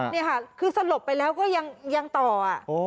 นี่ค่ะคือสลบไปแล้วก็ยังต่อ